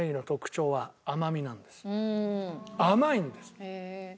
甘いんです。